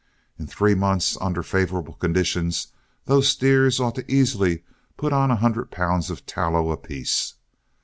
In three months, under favorable conditions, those steers ought to easily put on a hundred pounds of tallow apiece.